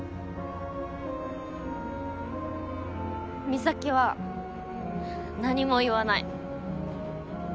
美咲は何も言わない。